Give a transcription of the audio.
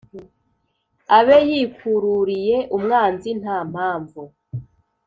abe yikururiye umwanzi nta mpamvu,